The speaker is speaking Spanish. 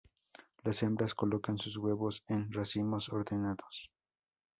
Las hembras colocan sus huevos en racimos ordenados.